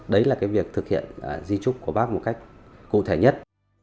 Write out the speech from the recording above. đấy là cái việc thực hiện di trúc của bác một cách cụ thể nhất